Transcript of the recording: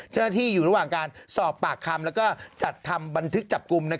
เจ้าหน้าที่อยู่ระหว่างการสอบปากคำและจัดทำบันทึกจับกลุ่ม